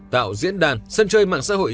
tạo diễn đàn sân chơi mạng xã hội